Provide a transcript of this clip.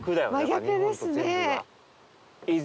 真逆ですね。